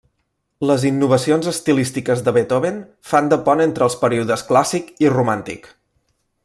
Les innovacions estilístiques de Beethoven fan de pont entre els períodes clàssic i romàntic.